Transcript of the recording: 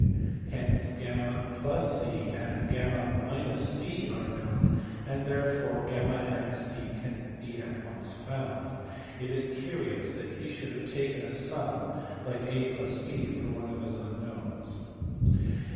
Hence y + c and y c are known, and therefore y and c can be at once found. It is curious that he should have taken a sum, like a + b for one of his unknowns.